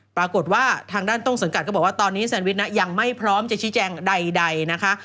ปรากฏว่าทางด้านต้นสังกัดก็บอกว่าตอนนี้แซนวิชนะยังไม่พร้อมจะชี้แจงใดนะคะ